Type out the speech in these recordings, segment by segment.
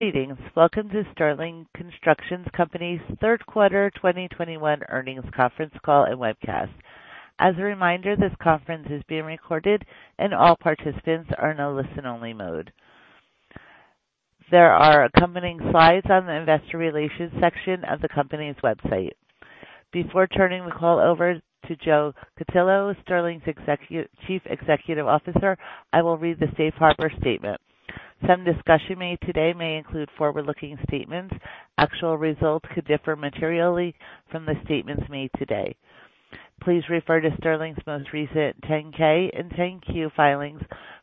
Greetings. Welcome to Sterling Construction Company's third quarter 2021 earnings conference call and webcast. As a reminder, this conference is being recorded and all participants are in a listen-only mode. There are accompanying slides on the investor relations section of the company's website. Before turning the call over to Joe Cutillo, Sterling's Chief Executive Officer, I will read the Safe Harbor statement. Some discussion made today may include forward-looking statements. Actual results could differ materially from the statements made today. Please refer to Sterling's most recent 10-K and 10-Q filings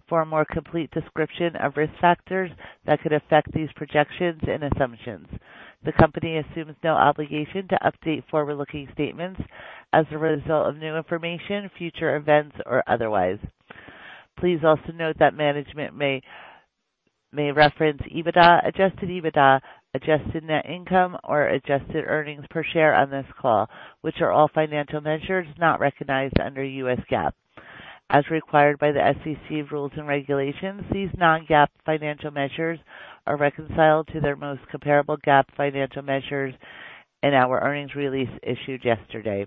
for a more complete description of risk factors that could affect these projections and assumptions. The company assumes no obligation to update forward-looking statements as a result of new information, future events or otherwise. Please also note that management may reference EBITDA, adjusted EBITDA, adjusted net income or adjusted earnings per share on this call, which are all financial measures not recognized under U.S. GAAP. As required by the SEC rules and regulations, these non-GAAP financial measures are reconciled to their most comparable GAAP financial measures in our earnings release issued yesterday.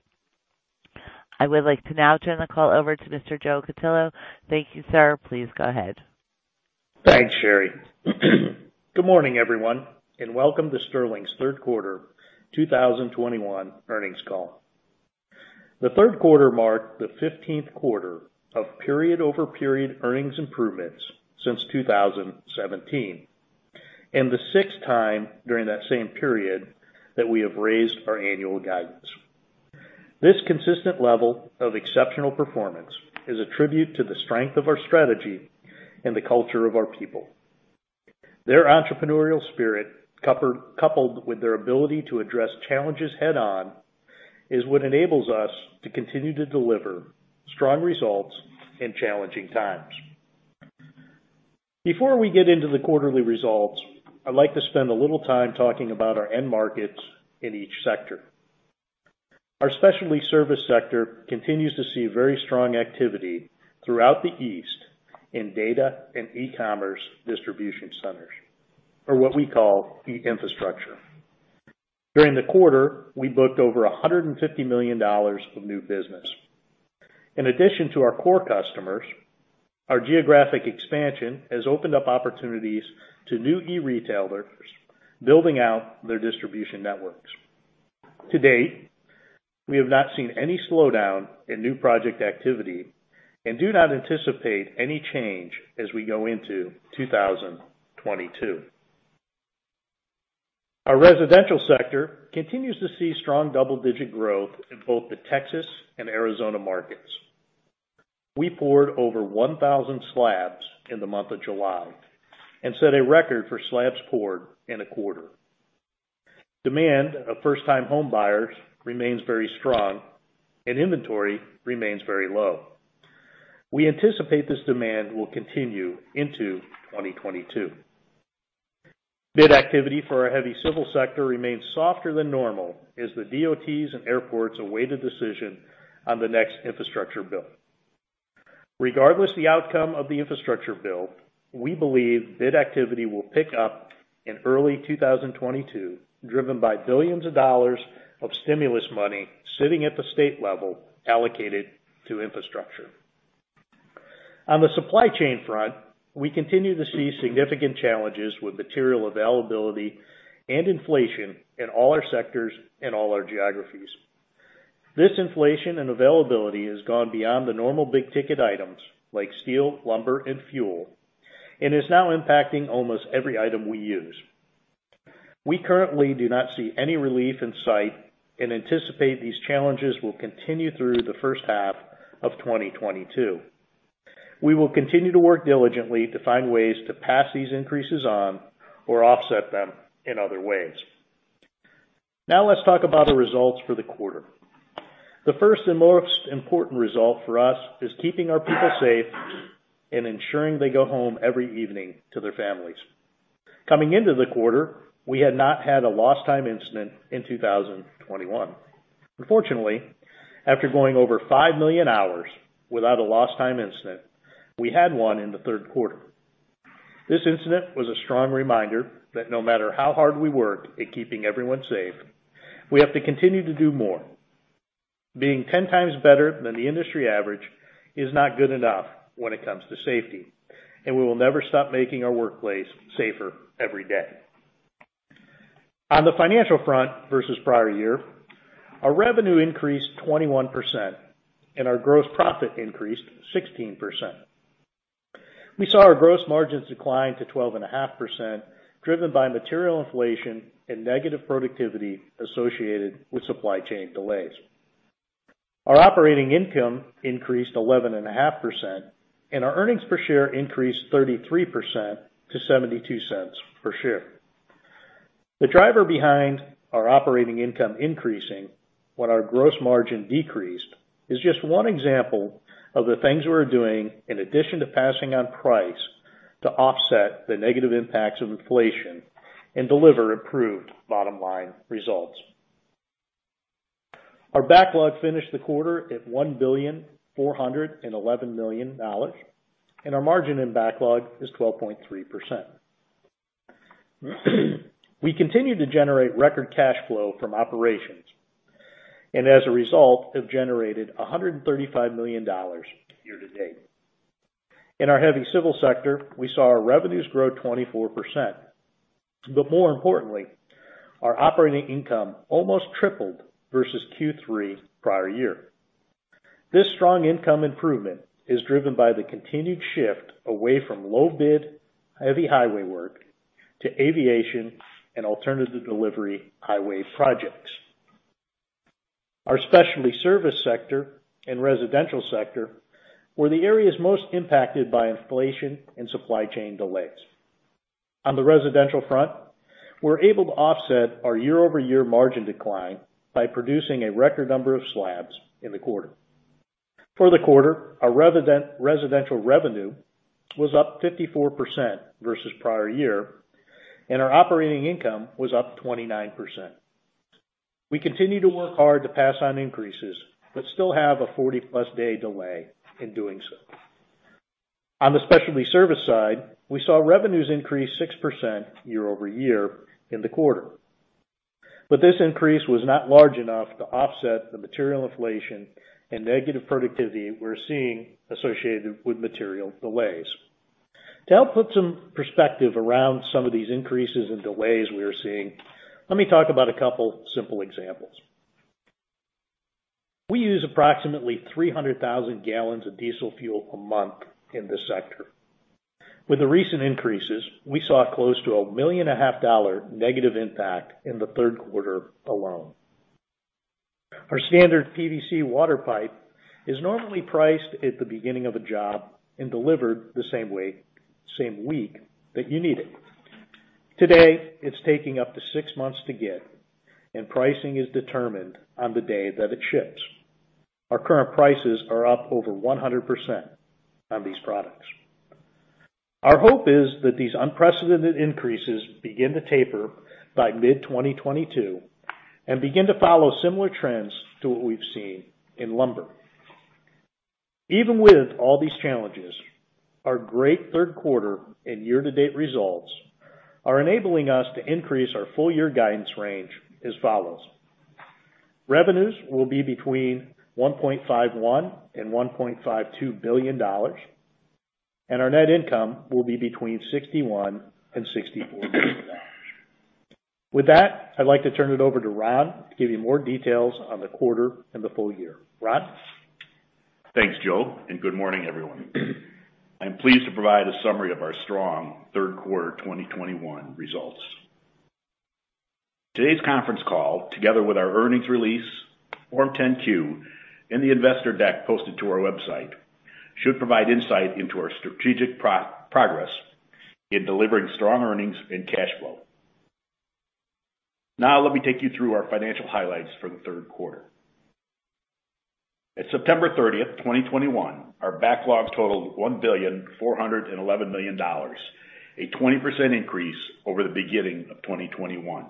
I would like to now turn the call over to Mr. Joe Cutillo. Thank you, sir. Please go ahead. Thanks, Sherry. Good morning, everyone, and welcome to Sterling's third quarter 2021 earnings call. The third quarter marked the 15th quarter of period-over-period earnings improvements since 2017, and the 6th time during that same period that we have raised our annual guidance. This consistent level of exceptional performance is a tribute to the strength of our strategy and the culture of our people. Their entrepreneurial spirit, coupled with their ability to address challenges head on, is what enables us to continue to deliver strong results in challenging times. Before we get into the quarterly results, I'd like to spend a little time talking about our end markets in each sector. Our specialty service sector continues to see very strong activity throughout the East in data and e-commerce distribution centers, or what we call E-Infrastructure. During the quarter, we booked over $150 million of new business. In addition to our core customers, our geographic expansion has opened up opportunities to new e-retailers building out their distribution networks. To date, we have not seen any slowdown in new project activity and do not anticipate any change as we go into 2022. Our residential sector continues to see strong double-digit growth in both the Texas and Arizona markets. We poured over 1,000 slabs in the month of July and set a record for slabs poured in a quarter. Demand for first-time homebuyers remains very strong and inventory remains very low. We anticipate this demand will continue into 2022. Bid activity for our heavy civil sector remains softer than normal as the DOTs and airports await a decision on the next infrastructure bill. Regardless of the outcome of the infrastructure bill, we believe bid activity will pick up in early 2022, driven by billions of dollars of stimulus money sitting at the state level allocated to infrastructure. On the supply chain front, we continue to see significant challenges with material availability and inflation in all our sectors and all our geographies. This inflation and availability has gone beyond the normal big-ticket items like steel, lumber, and fuel, and is now impacting almost every item we use. We currently do not see any relief in sight and anticipate these challenges will continue through the first half of 2022. We will continue to work diligently to find ways to pass these increases on or offset them in other ways. Now, let's talk about the results for the quarter. The first and most important result for us is keeping our people safe and ensuring they go home every evening to their families. Coming into the quarter, we had not had a lost time incident in 2021. Unfortunately, after going over 5 million hours without a lost time incident, we had one in the third quarter. This incident was a strong reminder that no matter how hard we work at keeping everyone safe, we have to continue to do more. Being 10x better than the industry average is not good enough when it comes to safety, and we will never stop making our workplace safer every day. On the financial front versus prior year, our revenue increased 21% and our gross profit increased 16%. We saw our gross margins decline to 12.5%, driven by material inflation and negative productivity associated with supply chain delays. Our operating income increased 11.5% and our earnings per share increased 33% to $0.72 per share. The driver behind our operating income increasing when our gross margin decreased is just one example of the things we're doing in addition to passing on price to offset the negative impacts of inflation and deliver improved bottom-line results. Our backlog finished the quarter at $1.411 billion, and our margin in backlog is 12.3%. We continue to generate record cash flow from operations, and as a result, have generated $135 million year-to-date. In our heavy civil sector, we saw our revenues grow 24%. More importantly, our operating income almost tripled versus Q3 prior year. This strong income improvement is driven by the continued shift away from low bid, heavy highway work to aviation and alternative delivery highway projects. Our specialty service sector and residential sector were the areas most impacted by inflation and supply chain delays. On the residential front, we're able to offset our year-over-year margin decline by producing a record number of slabs in the quarter. For the quarter, our residential revenue was up 54% versus prior year, and our operating income was up 29%. We continue to work hard to pass on increases, but still have a 40+ day delay in doing so. On the specialty service side, we saw revenues increase 6% year-over-year in the quarter. This increase was not large enough to offset the material inflation and negative productivity we're seeing associated with material delays. To help put some perspective around some of these increases and delays we are seeing, let me talk about a couple simple examples. We use approximately 300,000 gal of diesel fuel a month in this sector. With the recent increases, we saw close to $1.5 million negative impact in the third quarter alone. Our standard PVC water pipe is normally priced at the beginning of a job and delivered the same way, same week that you need it. Today, it's taking up to six months to get, and pricing is determined on the day that it ships. Our current prices are up over 100% on these products. Our hope is that these unprecedented increases begin to taper by mid-2022 and begin to follow similar trends to what we've seen in lumber. Even with all these challenges, our great third quarter and year-to-date results are enabling us to increase our full-year guidance range as follows. Revenues will be between $1.51 billion-$1.52 billion, and our net income will be between $61 million-$64 million. With that, I'd like to turn it over to Ron to give you more details on the quarter and the full year. Ron? Thanks, Joe, and good morning, everyone. I'm pleased to provide a summary of our strong third quarter 2021 results. Today's conference call, together with our earnings release, 10-Q, and the investor deck posted to our website, should provide insight into our strategic progress in delivering strong earnings and cash flow. Now, let me take you through our financial highlights for the third quarter. At September 30th, 2021, our backlog totaled $1.411 billion, a 20% increase over the beginning of 2021.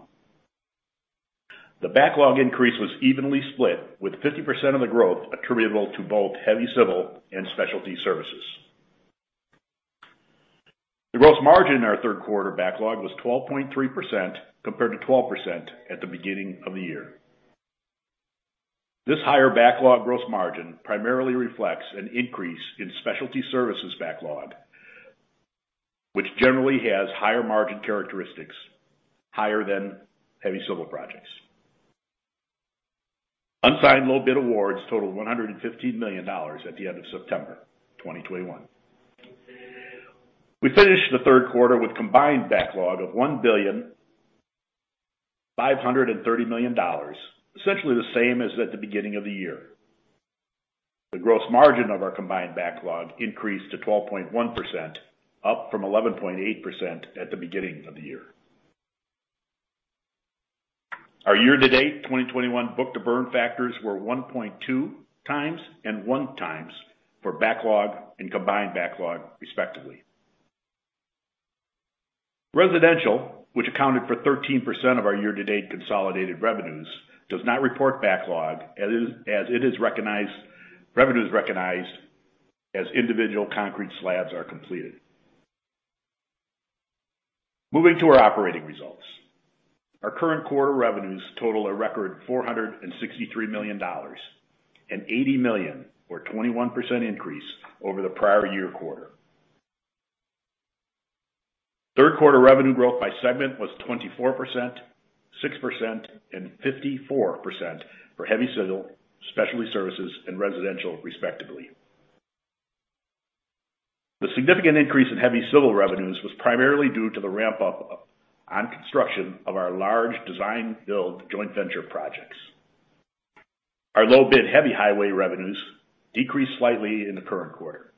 The backlog increase was evenly split with 50% of the growth attributable to both heavy civil and specialty services. The gross margin in our third quarter backlog was 12.3% compared to 12% at the beginning of the year. This higher backlog gross margin primarily reflects an increase in specialty services backlog, which generally has higher margin characteristics higher than heavy civil projects. Unsigned low bid awards totaled $115 million at the end of September 2021. We finished the third quarter with combined backlog of $1.53 billion, essentially the same as at the beginning of the year. The gross margin of our combined backlog increased to 12.1%, up from 11.8% at the beginning of the year. Our year-to-date 2021 book-to-burn factors were 1.2x and 1x for backlog and combined backlog, respectively. Residential, which accounted for 13% of our year-to-date consolidated revenues, does not report backlog as revenue is recognized as individual concrete slabs are completed. Moving to our operating results. Our current quarter revenues total a record $463 million, an $80 million or 21% increase over the prior year quarter. Third quarter revenue growth by segment was 24%, 6%, and 54% for heavy civil, specialty services, and residential, respectively. The significant increase in heavy civil revenues was primarily due to the ramp up on construction of our large design-build joint venture projects. Our low bid heavy highway revenues decreased slightly in the current quarter,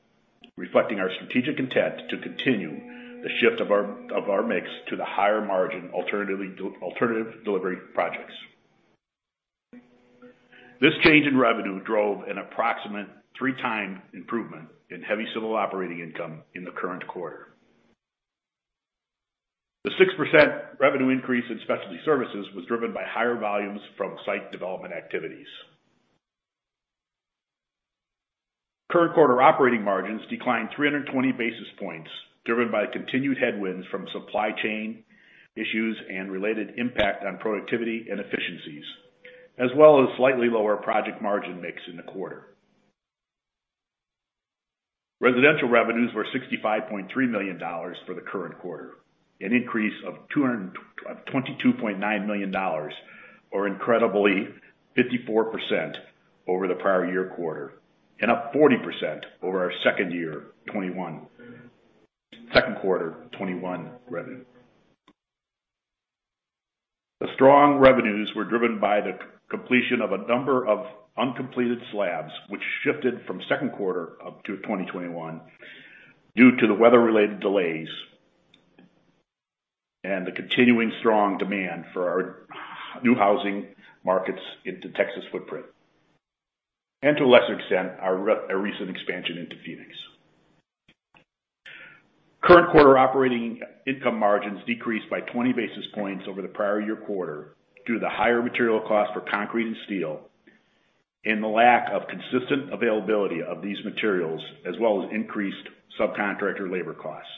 reflecting our strategic intent to continue the shift of our mix to the higher margin alternative delivery projects. This change in revenue drove an approximate three-time improvement in heavy civil operating income in the current quarter. The 6% revenue increase in specialty services was driven by higher volumes from site development activities. Current quarter operating margins declined 300 basis points, driven by continued headwinds from supply chain issues and related impact on productivity and efficiencies, as well as slightly lower project margin mix in the quarter. Residential revenues were $65.3 million for the current quarter, an increase of $22.9 million, or incredibly 54% over the prior year quarter, and up 40% over our second quarter 2021 revenue. The strong revenues were driven by the completion of a number of uncompleted slabs, which shifted from second quarter of 2021 due to the weather-related delays, and the continuing strong demand for our new housing markets in Texas footprint, and to a lesser extent, our recent expansion into Phoenix. Current quarter operating income margins decreased by 20 basis points over the prior year quarter due to the higher material costs for concrete and steel, and the lack of consistent availability of these materials, as well as increased subcontractor labor costs.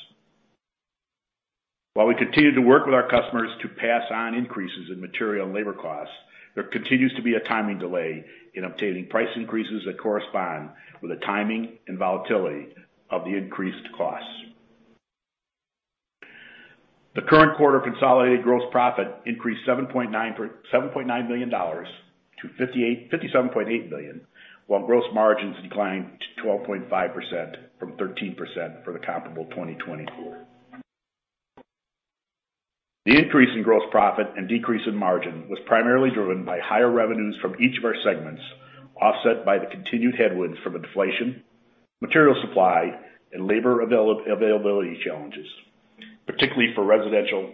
While we continue to work with our customers to pass on increases in material and labor costs, there continues to be a timing delay in obtaining price increases that correspond with the timing and volatility of the increased costs. The current quarter consolidated gross profit increased $7.9 million to $57.8 million, while gross margins declined to 12.5% from 13% for the comparable 2020 quarter. The increase in gross profit and decrease in margin was primarily driven by higher revenues from each of our segments, offset by the continued headwinds from inflation, material supply, and labor availability challenges, particularly for residential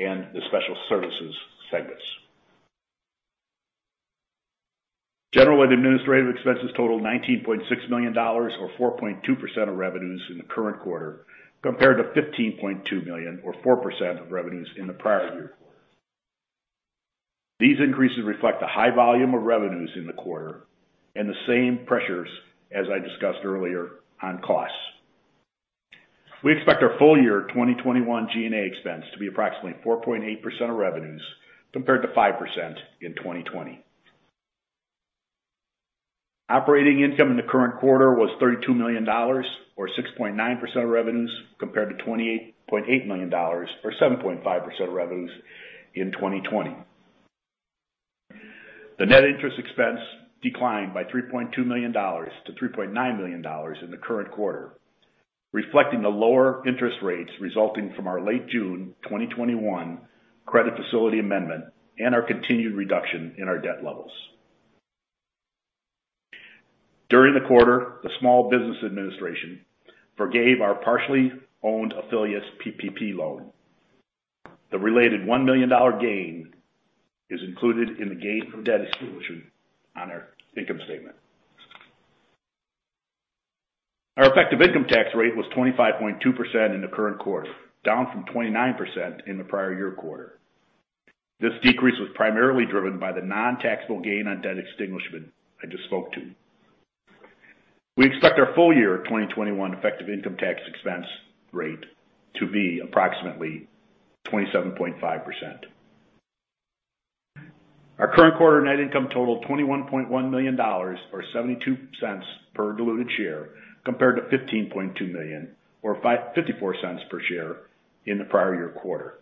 and the special services segments. General and administrative expenses totaled $19.6 million or 4.2% of revenues in the current quarter, compared to $15.2 million or 4% of revenues in the prior year quarter. These increases reflect the high volume of revenues in the quarter and the same pressures as I discussed earlier on costs. We expect our full-year 2021 G&A expense to be approximately 4.8% of revenues compared to 5% in 2020. Operating income in the current quarter was $32 million or 6.9% of revenues, compared to $28.8 million or 7.5% of revenues in 2020. The net interest expense declined by $3.2 million to $3.9 million in the current quarter, reflecting the lower interest rates resulting from our late June 2021 credit facility amendment and our continued reduction in our debt levels. During the quarter, the Small Business Administration forgave our partially owned affiliate's PPP loan. The related $1 million gain is included in the gain from debt extinguishment on our income statement. Our effective income tax rate was 25.2% in the current quarter, down from 29% in the prior year quarter. This decrease was primarily driven by the non-taxable gain on debt extinguishment I just spoke to. We expect our full-year 2021 effective income tax expense rate to be approximately 27.5%. Our current quarter net income totaled $21.1 million or $0.72 per diluted share, compared to $15.2 million or $0.54 per share in the prior year quarter.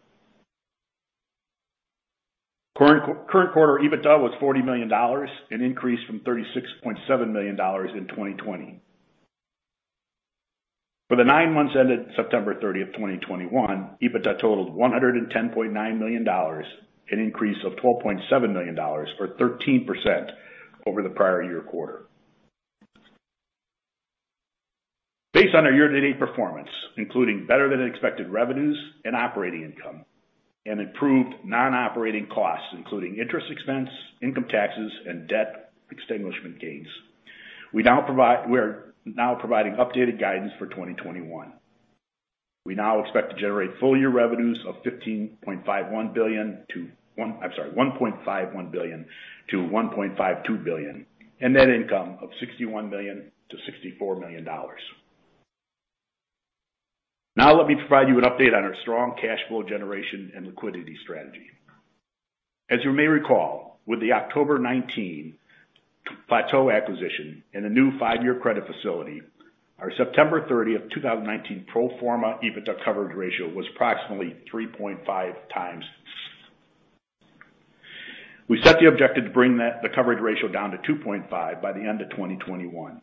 Current quarter EBITDA was $40 million, an increase from $36.7 million in 2020. For the nine months ended September 30th, 2021, EBITDA totaled $110.9 million, an increase of $12.7 million or 13% over the prior year quarter. Based on our year-to-date performance, including better than expected revenues and operating income, and improved non-operating costs, including interest expense, income taxes, and debt extinguishment gains, we are now providing updated guidance for 2021. We now expect to generate full-year revenues of $1.51 billion-$1.52 billion, and net income of $61 million-$64 million. Now let me provide you an update on our strong cash flow generation and liquidity strategy. As you may recall, with the October 2019 Plateau acquisition and a new five-year credit facility, our September 30th, 2019 pro forma EBITDA coverage ratio was approximately 3.5x. We set the objective to bring that the coverage ratio down to 2.5x by the end of 2021.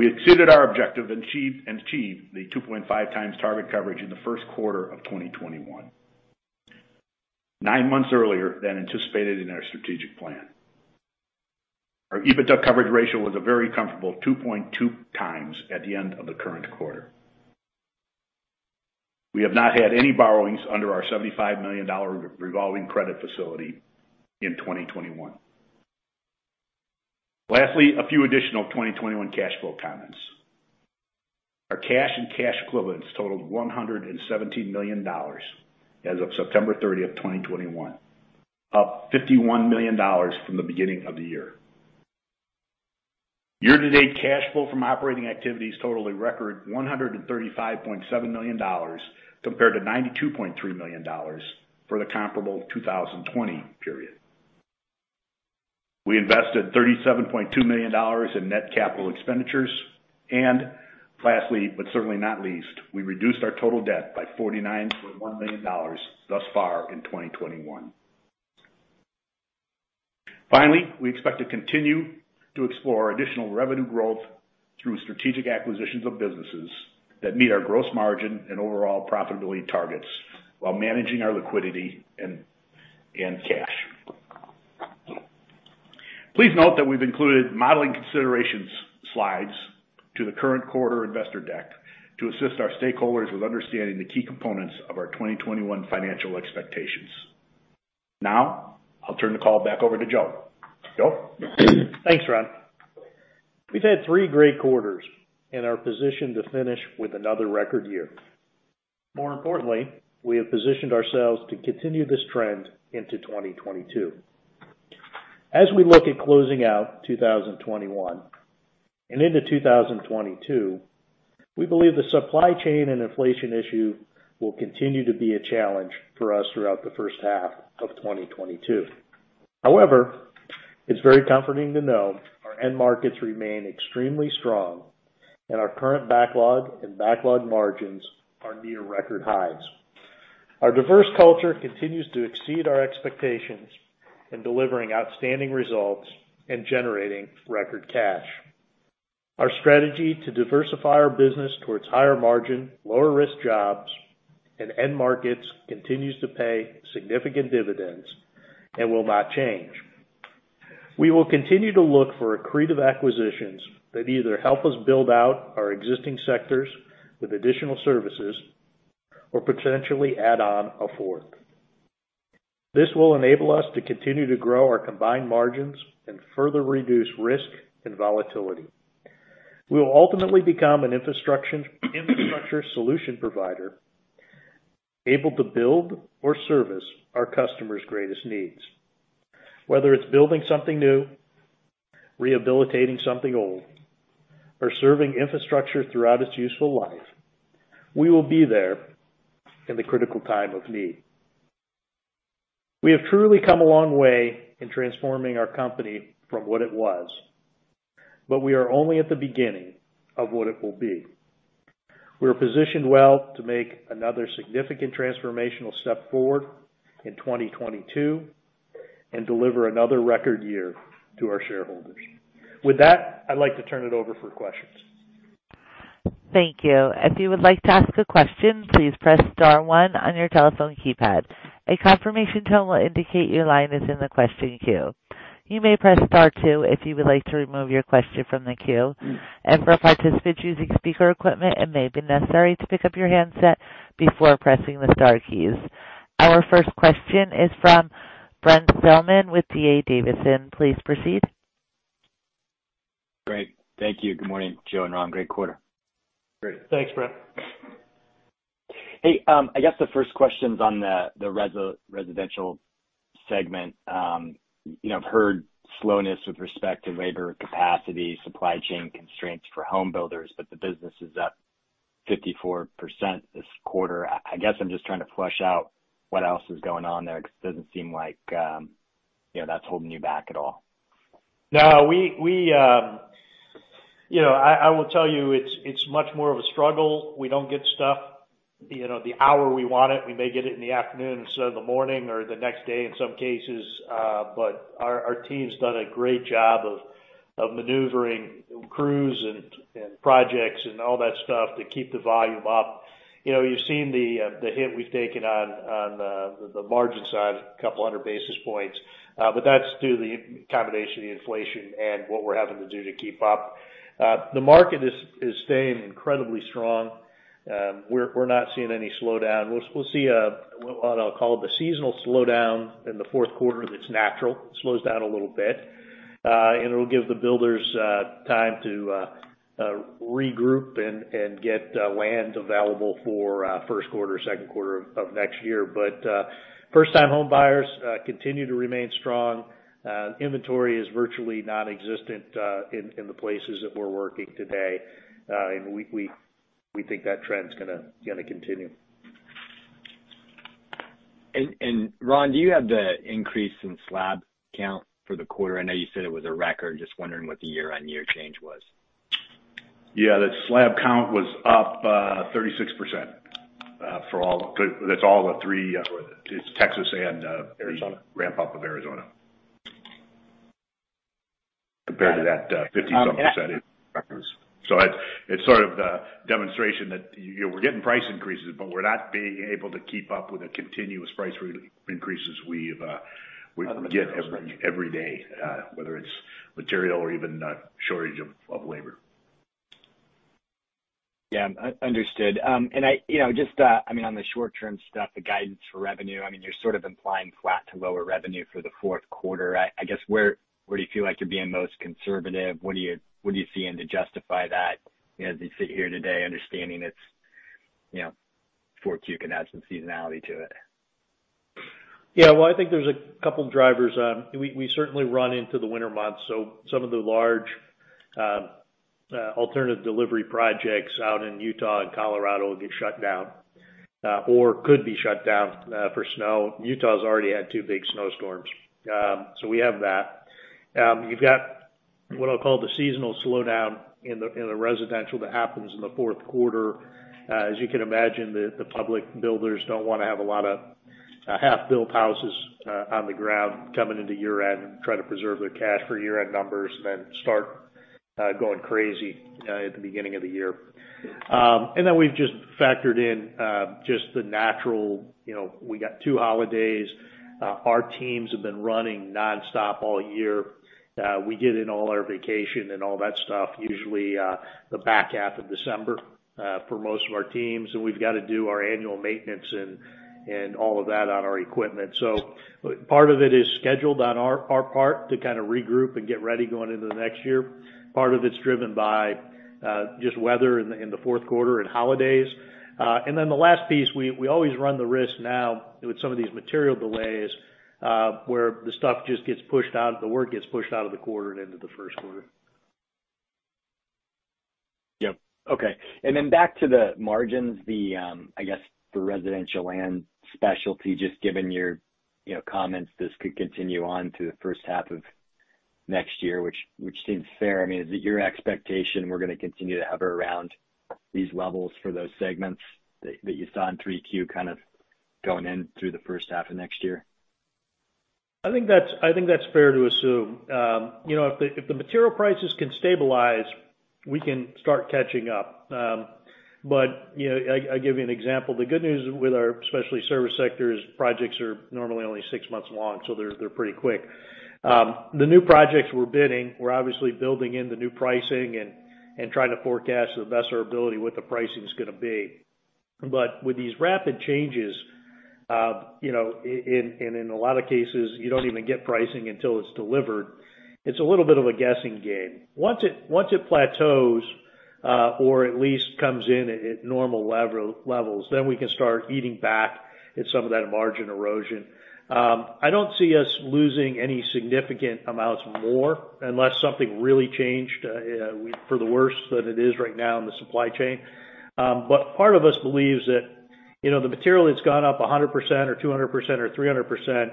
We exceeded our objective and achieved the 2.5x target coverage in the first quarter of 2021, nine months earlier than anticipated in our strategic plan. Our EBITDA coverage ratio was a very comfortable 2.2x at the end of the current quarter. We have not had any borrowings under our $75 million revolving credit facility in 2021. Lastly, a few additional 2021 cash flow comments. Our cash and cash equivalents totaled $117 million as of September 30th, 2021, up $51 million from the beginning of the year. Year-to-date cash flow from operating activities totaled a record $135.7 million compared to $92.3 million for the comparable 2020 period. We invested $37.2 million in net capital expenditures, and lastly, but certainly not least, we reduced our total debt by $49.1 million thus far in 2021. Finally, we expect to continue to explore additional revenue growth through strategic acquisitions of businesses that meet our gross margin and overall profitability targets while managing our liquidity and cash. Please note that we've included modeling considerations slides to the current quarter investor deck to assist our stakeholders with understanding the key components of our 2021 financial expectations. Now, I'll turn the call back over to Joe. Joe? Thanks, Ron. We've had three great quarters and are positioned to finish with another record year. More importantly, we have positioned ourselves to continue this trend into 2022. As we look at closing out 2021 and into 2022, we believe the supply chain and inflation issue will continue to be a challenge for us throughout the first half of 2022. However, it's very comforting to know our end markets remain extremely strong and our current backlog and backlog margins are near record highs. Our diverse culture continues to exceed our expectations in delivering outstanding results and generating record cash. Our strategy to diversify our business towards higher margin, lower risk jobs and end markets continues to pay significant dividends and will not change. We will continue to look for accretive acquisitions that either help us build out our existing sectors with additional services or potentially add on a fourth. This will enable us to continue to grow our combined margins and further reduce risk and volatility. We will ultimately become an infrastructure solution provider able to build or service our customers' greatest needs. Whether it's building something new, rehabilitating something old, or serving infrastructure throughout its useful life, we will be there in the critical time of need. We have truly come a long way in transforming our company from what it was, but we are only at the beginning of what it will be. We are positioned well to make another significant transformational step forward in 2022 and deliver another record year to our shareholders. With that, I'd like to turn it over for questions. Thank you. If you would like to ask a question, please press star one on your telephone keypad. A confirmation tone will indicate your line is in the question queue. You may press star two if you would like to remove your question from the queue. And for a participant using speaker equipment, it may have been necessary to pick up your handset before pressing the star key. Our first question is from Brent Thielman with D.A. Davidson. Please proceed. Great. Thank you. Good morning, Joe and Ron. Great quarter. Great. Thanks, Brent. Hey, I guess the first question's on the residential segment. You know, I've heard slowness with respect to labor capacity, supply chain constraints for home builders, but the business is up 54% this quarter. I guess I'm just trying to flesh out what else is going on there because it doesn't seem like, you know, that's holding you back at all. No, you know, I will tell you it's much more of a struggle. We don't get stuff, you know, the hour we want it. We may get it in the afternoon instead of the morning or the next day in some cases, but our team's done a great job of maneuvering crews and projects and all that stuff to keep the volume up. You know, you've seen the hit we've taken on the margin side, a couple hundred basis points, but that's due to the combination of the inflation and what we're having to do to keep up. The market is staying incredibly strong. We're not seeing any slowdown. We'll see what I'll call the seasonal slowdown in the fourth quarter that's natural. It slows down a little bit, and it'll give the builders time to regroup and get land available for first quarter, second quarter of next year. First time home buyers continue to remain strong. Inventory is virtually non-existent in the places that we're working today. We think that trend's gonna continue. Ron, do you have the increase in slab count for the quarter? I know you said it was a record. Just wondering what the year-on-year change was. Yeah. The slab count was up 36%. That's all three. It's Texas and Arizona The ramp up of Arizona. Compared to that, 50-something% increase. It's sort of the demonstration that, you know, we're getting price increases, but we're not being able to keep up with the continuous price re-increases we get every day, whether it's material or even shortage of labor. Yeah. Understood. I, you know, just, I mean, on the short term stuff, the guidance for revenue, I mean, you're sort of implying flat to lower revenue for the fourth quarter. I guess, where do you feel like you're being most conservative? What are you seeing to justify that as you sit here today understanding it's, you know, 4Q can add some seasonality to it? Yeah. Well, I think there's a couple drivers. We certainly run into the winter months, so some of the large alternative delivery projects out in Utah and Colorado get shut down or could be shut down for snow. Utah's already had two big snowstorms. So we have that. You've got what I'll call the seasonal slowdown in the residential that happens in the fourth quarter. As you can imagine, the public builders don't wanna have a lot of half-built houses on the ground coming into year-end, try to preserve their cash for year-end numbers, then start going crazy at the beginning of the year. We've just factored in just the natural, you know, we got two holidays. Our teams have been running nonstop all year. We get in all our vacation and all that stuff usually the back half of December for most of our teams, and we've gotta do our annual maintenance and all of that on our equipment. Part of it is scheduled on our part to kind of regroup and get ready going into the next year. Part of it's driven by just weather in the fourth quarter and holidays. The last piece, we always run the risk now with some of these material delays where the stuff just gets pushed out, the work gets pushed out of the quarter and into the first quarter. Yep. Okay. Back to the margins, I guess the residential and specialty, just given your, you know, comments, this could continue on to the first half of next year, which seems fair. I mean, is it your expectation we're gonna continue to hover around these levels for those segments that you saw in 3Q kind of going in through the first half of next year? I think that's fair to assume. You know, if the material prices can stabilize, we can start catching up. You know, I give you an example. The good news with our specialty service sector is projects are normally only six months long, so they're pretty quick. The new projects we're bidding, we're obviously building in the new pricing and trying to forecast to the best of our ability what the pricing's gonna be. With these rapid changes, you know, and in a lot of cases, you don't even get pricing until it's delivered, it's a little bit of a guessing game. Once it plateaus, or at least comes in at normal levels, then we can start eating back at some of that margin erosion. I don't see us losing any significant amounts more unless something really changed, you know, for the worse than it is right now in the supply chain. Part of us believes that, you know, the material that's gone up 100% or 200% or 300%,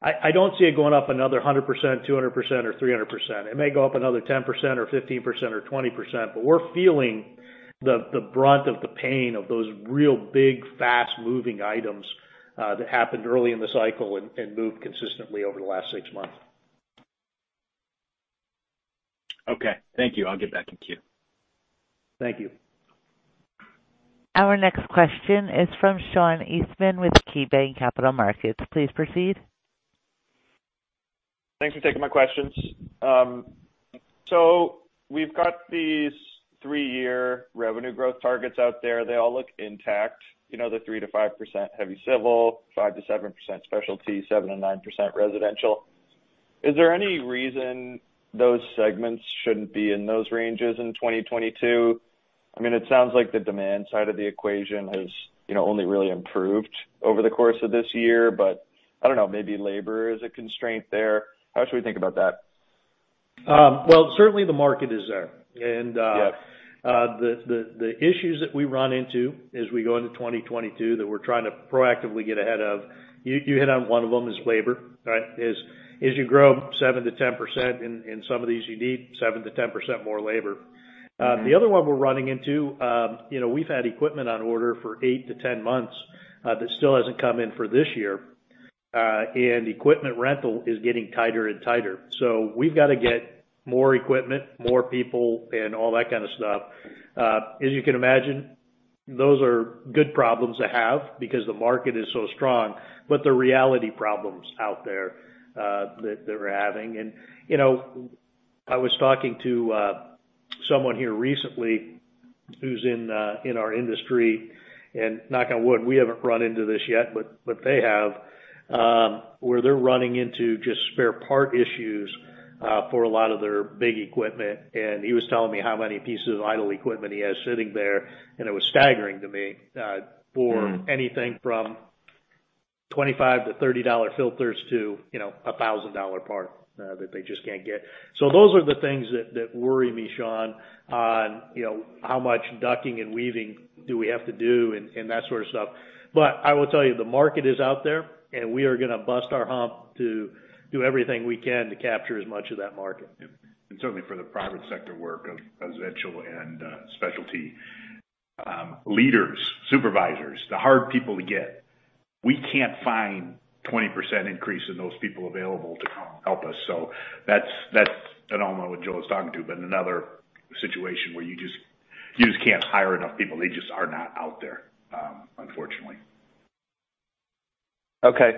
I don't see it going up another 100%, 200% or 300%. It may go up another 10% or 15% or 20%, but we're feeling the brunt of the pain of those real big, fast-moving items that happened early in the cycle and moved consistently over the last six months. Okay. Thank you. I'll get back in queue. Thank you. Our next question is from Sean Eastman with KeyBanc Capital Markets. Please proceed. Thanks for taking my questions. We've got these three-year revenue growth targets out there. They all look intact. You know, the 3%-5% heavy civil, 5%-7% specialty, 7%-9% residential. Is there any reason those segments shouldn't be in those ranges in 2022? I mean, it sounds like the demand side of the equation has, you know, only really improved over the course of this year, but I don't know, maybe labor is a constraint there. How should we think about that? Well, certainly the market is there. Yeah. The issues that we run into as we go into 2022 that we're trying to proactively get ahead of, you hit on one of them, is labor. Right? As you grow 7%-10% in some of these, you need 7%-10% more labor. The other one we're running into, you know, we've had equipment on order for eight to 10 months that still hasn't come in for this year. Equipment rental is getting tighter and tighter. We've gotta get more equipment, more people and all that kind of stuff. As you can imagine, those are good problems to have because the market is so strong, but they're real problems out there that we're having. You know, I was talking to someone here recently who's in our industry, and knock on wood, we haven't run into this yet, but they have where they're running into just spare part issues for a lot of their big equipment. He was telling me how many pieces of idle equipment he has sitting there, and it was staggering to me for anything from $25-$30 filters to, you know, a $1,000 part that they just can't get. Those are the things that worry me, Sean, on you know, how much ducking and weaving do we have to do and that sort of stuff. I will tell you, the market is out there, and we are gonna bust our hump to do everything we can to capture as much of that market. Certainly for the private sector work of residential and specialty leaders, supervisors, the hard people to get, we can't find 20% increase in those people available to come help us. So that's. I don't know what Joe is talking to, but another situation where you just can't hire enough people. They just are not out there, unfortunately. Okay.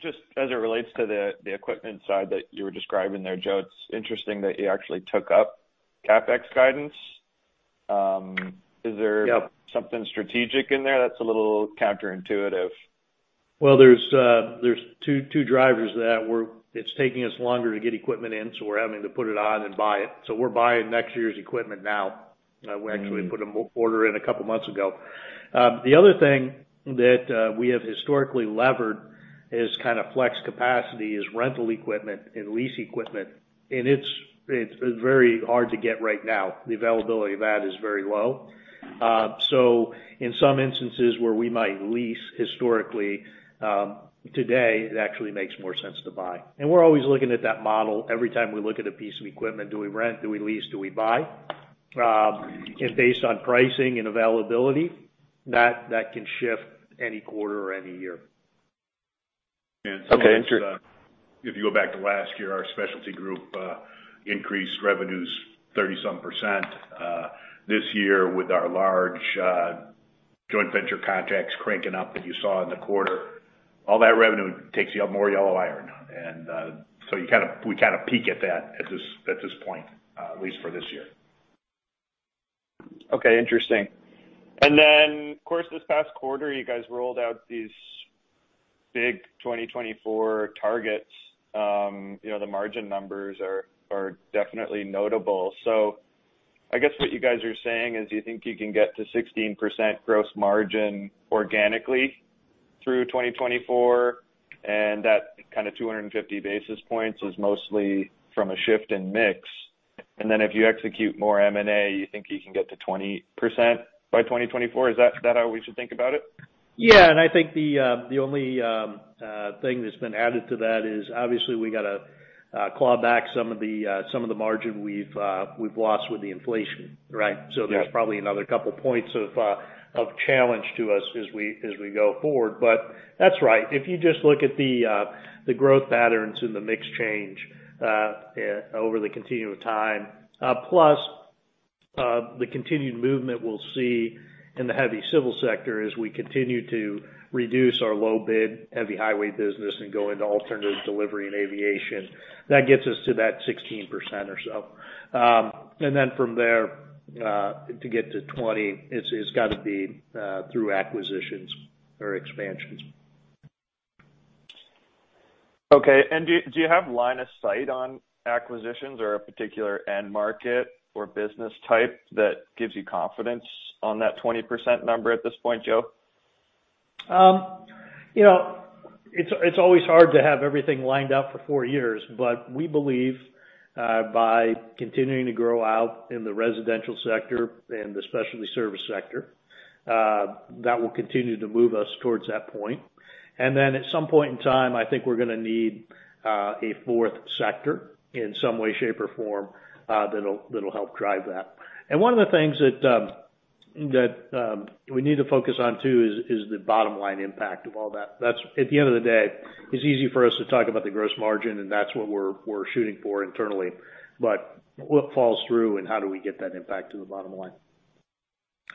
Just as it relates to the equipment side that you were describing there, Joe, it's interesting that you actually took up CapEx guidance. Yep. Is there something strategic in there? That's a little counterintuitive. Well, there's two drivers. It's taking us longer to get equipment in, so we're having to put it on and buy it. We're buying next year's equipment now. Mm-hmm. We actually put an order in a couple months ago. The other thing that we have historically leveraged is kind of flex capacity is rental equipment and lease equipment. It's very hard to get right now. The availability of that is very low. In some instances where we might lease historically, today it actually makes more sense to buy. We're always looking at that model every time we look at a piece of equipment. Do we rent? Do we lease? Do we buy? Based on pricing and availability, that can shift any quarter or any year. Okay. It's if you go back to last year, our specialty group increased revenues 30-some%. This year with our large joint venture contracts cranking up that you saw in the quarter, all that revenue takes you up more yellow iron. We kind of peak at that at this point, at least for this year. Okay, interesting. Of course, this past quarter, you guys rolled out these big 2024 targets. You know, the margin numbers are definitely notable. I guess what you guys are saying is you think you can get to 16% gross margin organically through 2024, and that kind of 250 basis points is mostly from a shift in mix. If you execute more M&A, you think you can get to 20% by 2024. Is that how we should think about it? Yeah. I think the only thing that's been added to that is obviously we gotta claw back some of the margin we've lost with the inflation, right? Yeah. There's probably another couple points of challenge to us as we go forward. That's right. If you just look at the growth patterns and the mix change over the continuum of time, plus the continued movement we'll see in the heavy civil sector as we continue to reduce our low bid heavy highway business and go into alternative delivery and aviation, that gets us to that 16% or so. From there, to get to 20%, it's gotta be through acquisitions or expansions. Okay. Do you have line of sight on acquisitions or a particular end market or business type that gives you confidence on that 20% number at this point, Joe? You know, it's always hard to have everything lined up for four years, but we believe by continuing to grow out in the residential sector and the specialty service sector that will continue to move us towards that point. Then at some point in time, I think we're gonna need a fourth sector in some way, shape, or form that'll help drive that. One of the things that we need to focus on too is the bottom line impact of all that. That's at the end of the day, it's easy for us to talk about the gross margin, and that's what we're shooting for internally. But what falls through and how do we get that impact to the bottom line?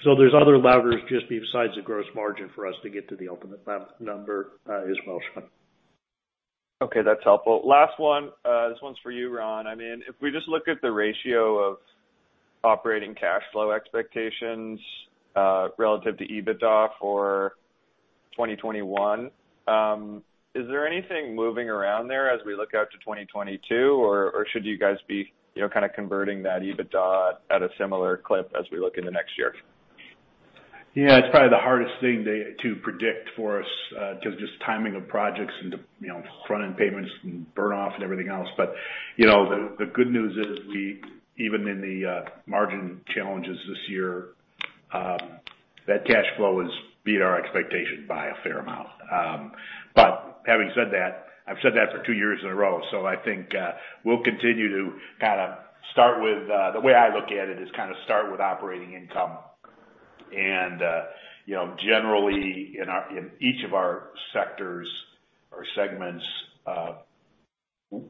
There's other levers just besides the gross margin for us to get to the ultimate number, as well, Sean. Okay, that's helpful. Last one. This one's for you, Ron. I mean, if we just look at the ratio of operating cash flow expectations relative to EBITDA for 2021, is there anything moving around there as we look out to 2022? Or should you guys be, you know, kind of converting that EBITDA at a similar clip as we look in the next year? Yeah, it's probably the hardest thing to predict for us, 'cause just timing of projects into, you know, front-end payments and burn off and everything else. You know, the good news is even in the margin challenges this year, that cash flow has beat our expectation by a fair amount. Having said that, I've said that for two years in a row, so I think we'll continue to kind of start with. The way I look at it is kind of start with operating income and, you know, generally in each of our sectors or segments,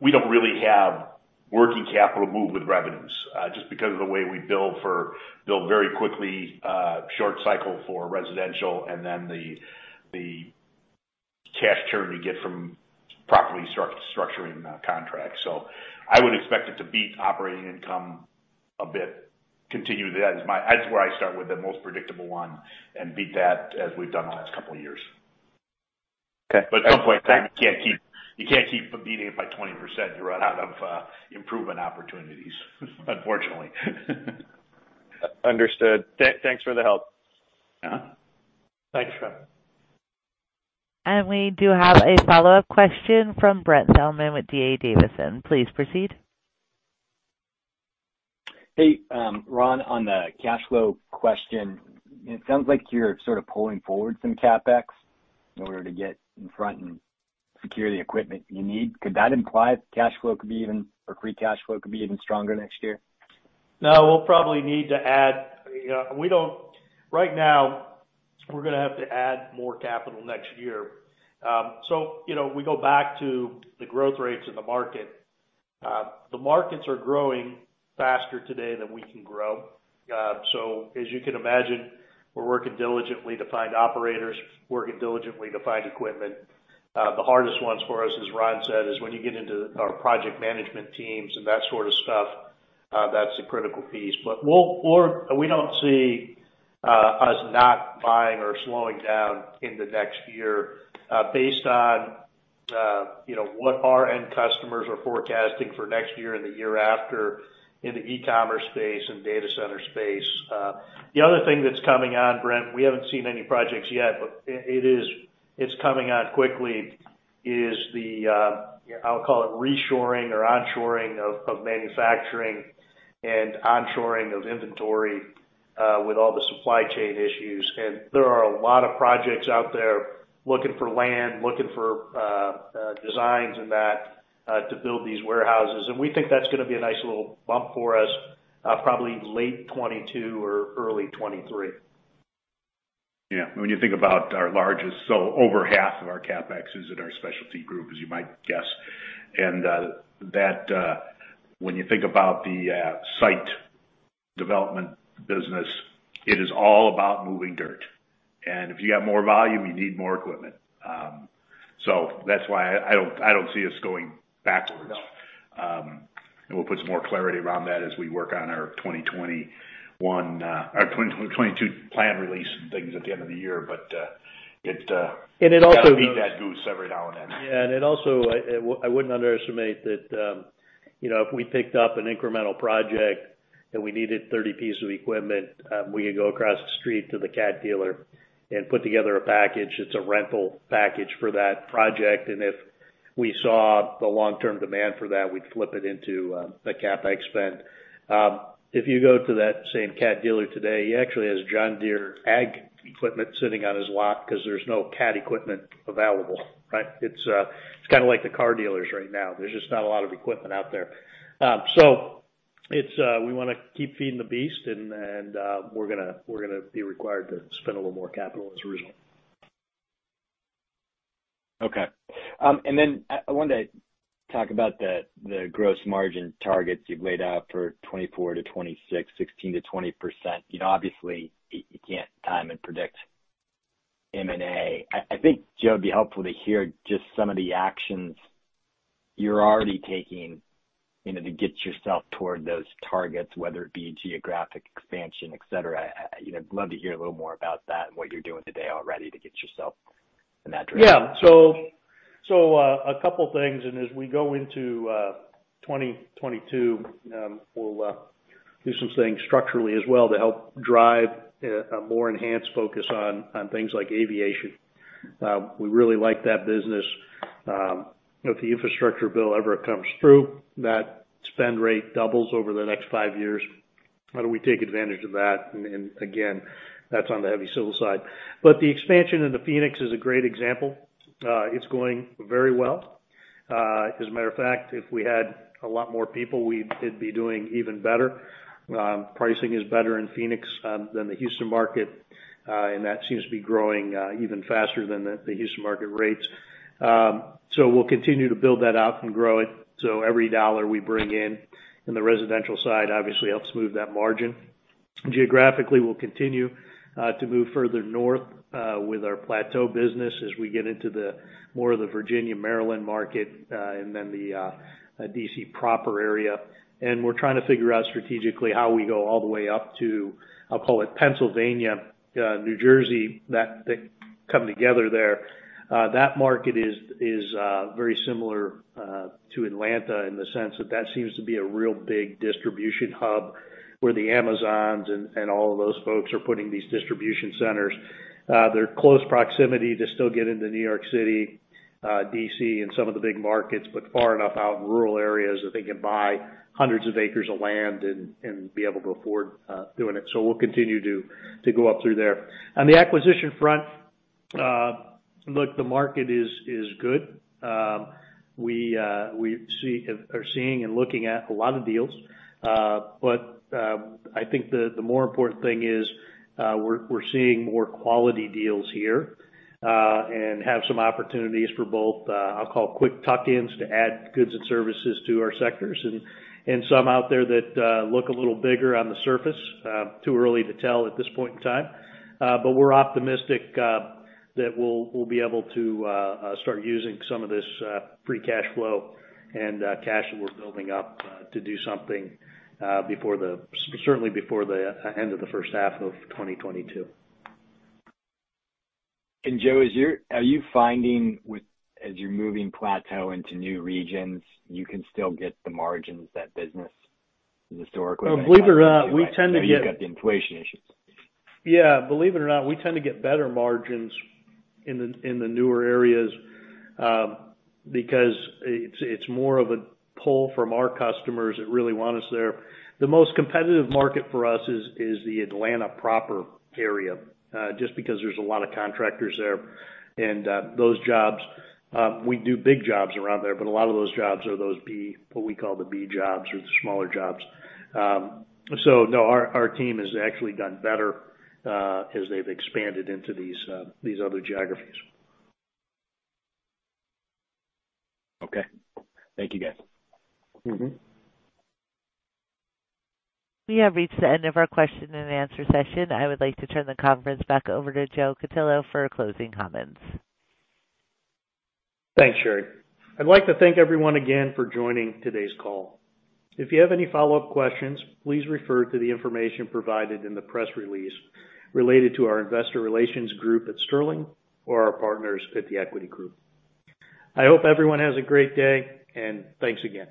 we don't really have working capital move with revenues, just because of the way we bill very quickly, short cycle for residential and then the cash turn we get from properly structuring contracts. I would expect it to beat operating income a bit, continue that. That's where I start with the most predictable one and beat that as we've done the last couple of years. Okay. At some point, you can't keep beating it by 20%. You run out of improvement opportunities, unfortunately. Understood. Thanks for the help. Uh-huh. Thanks, Sean. We do have a follow-up question from Brent Thielman with D.A. Davidson. Please proceed. Hey, Ron, on the cash flow question, it sounds like you're sort of pulling forward some CapEx in order to get in front and secure the equipment you need. Could that imply cash flow could be even, or free cash flow could be even stronger next year? No, we'll probably need to add more capital next year. You know, we go back to the growth rates in the market. The markets are growing faster today than we can grow. So as you can imagine, we're working diligently to find operators, working diligently to find equipment. The hardest ones for us, as Ron said, is when you get into our project management teams and that sort of stuff. That's the critical piece. We don't see us not buying or slowing down in the next year, based on you know, what our end customers are forecasting for next year and the year after in the e-commerce space and data center space. The other thing that's coming on, Brent, we haven't seen any projects yet, but it is coming on quickly, is the reshoring or onshoring of manufacturing and onshoring of inventory with all the supply chain issues. There are a lot of projects out there looking for land, looking for designs and that to build these warehouses. We think that's gonna be a nice little bump for us, probably late 2022 or early 2023. Yeah. When you think about our largest, so over half of our CapEx is in our specialty group, as you might guess, and that when you think about the site development business, it is all about moving dirt. If you have more volume, you need more equipment. That's why I don't see us going backwards. No. We'll put some more clarity around that as we work on our 2021, our 2022 plan release and things at the end of the year. It also- You gotta feed that goose every now and then. Yeah. It also, I wouldn't underestimate that, you know, if we picked up an incremental project and we needed 30 pieces of equipment, we could go across the street to the Cat dealer and put together a package that's a rental package for that project. If we saw the long-term demand for that, we'd flip it into the CapEx spend. If you go to that same Cat dealer today, he actually has John Deere Ag Equipment sitting on his lot 'cause there's no Cat equipment available, right? It's kinda like the car dealers right now. There's just not a lot of equipment out there. We wanna keep feeding the beast and we're gonna be required to spend a little more capital as a result. Okay. I wanted to talk about the gross margin targets you've laid out for 2024-2026, 16%-20%. You know, obviously you can't time and predict M&A. I think, Joe, it'd be helpful to hear just some of the actions you're already taking, you know, to get yourself toward those targets, whether it be geographic expansion, et cetera. You know, I love to hear a little more about that and what you're doing today already to get yourself in that direction. Yeah. A couple things, and as we go into 2022, we'll do some things structurally as well to help drive a more enhanced focus on things like aviation. We really like that business. If the infrastructure bill ever comes through, that spend rate doubles over the next five years. How do we take advantage of that? Again, that's on the heavy civil side. The expansion into Phoenix is a great example. It's going very well. As a matter of fact, if we had a lot more people, it'd be doing even better. Pricing is better in Phoenix than the Houston market, and that seems to be growing even faster than the Houston market rates. We'll continue to build that out and grow it. Every dollar we bring in the residential side obviously helps move that margin. Geographically, we'll continue to move further north with our Plateau business as we get into the more of the Virginia/Maryland market and then the D.C. proper area. We're trying to figure out strategically how we go all the way up to, I'll call it Pennsylvania, New Jersey, that come together there. That market is very similar to Atlanta in the sense that that seems to be a real big distribution hub where the Amazon and all of those folks are putting these distribution centers. They're in close proximity to still get into New York City, D.C., and some of the big markets, but far enough out in rural areas that they can buy hundreds of acres of land and be able to afford doing it. We'll continue to go up through there. On the acquisition front, look, the market is good. We are seeing and looking at a lot of deals. I think the more important thing is, we're seeing more quality deals here and have some opportunities for both, I'll call quick tuck-ins to add goods and services to our sectors and some out there that look a little bigger on the surface. Too early to tell at this point in time. We're optimistic that we'll be able to start using some of this free cash flow and cash that we're building up to do something certainly before the end of the first half of 2022. Joe, are you finding with, as you're moving Plateau into new regions, you can still get the margins that business historically- No, believe it or not, we tend to get- I know you've got the inflation issues. Yeah. Believe it or not, we tend to get better margins in the newer areas because it's more of a pull from our customers that really want us there. The most competitive market for us is the Atlanta proper area just because there's a lot of contractors there. Those jobs, we do big jobs around there, but a lot of those jobs are those B, what we call the B jobs or the smaller jobs. No, our team has actually done better as they've expanded into these other geographies. Okay. Thank you, guys. Mm-hmm. We have reached the end of our question and answer session. I would like to turn the conference back over to Joe Cutillo for closing comments. Thanks, Sherry. I'd like to thank everyone again for joining today's call. If you have any follow-up questions, please refer to the information provided in the press release related to our Investor Relations group at Sterling or our partners at The Equity Group. I hope everyone has a great day, and thanks again.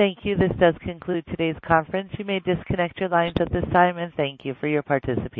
Thank you. This does conclude today's conference. You may disconnect your lines at this time, and thank you for your participation.